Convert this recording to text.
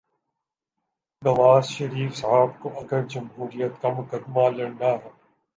نواز شریف صاحب کو اگر جمہوریت کا مقدمہ لڑنا ہے۔